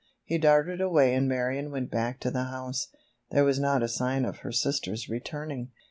He darted away and Marion went back to the house. There was not a sign of her sister's returning.